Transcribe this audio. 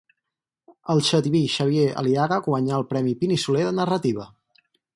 El xativí Xavier Aliaga guanyà el Premi Pin i Soler de narrativa.